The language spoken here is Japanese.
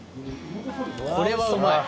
これはうまい。